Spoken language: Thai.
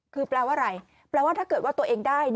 คือแปลว่าอะไรแปลว่าถ้าเกิดว่าตัวเองได้